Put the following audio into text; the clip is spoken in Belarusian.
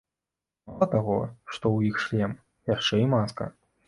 Мала таго, што ў іх шлем, яшчэ і маска.